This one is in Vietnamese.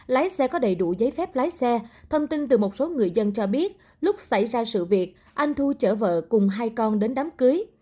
lái xe có đầy đủ giấy phép lái xe thông tin từ một số người dân cho biết lúc xảy ra sự việc anh thu chở vợ cùng hai con đến đám cưới